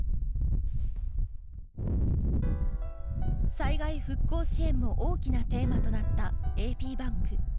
災害復興支援も大きなテーマとなったａｐｂａｎｋ。